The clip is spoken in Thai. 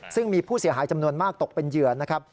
ซึ่งมีผู้เสียหายจำนวนมากตกเป็นเหยื่อนะครับ